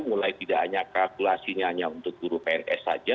mulai tidak hanya kalkulasinya hanya untuk guru pns saja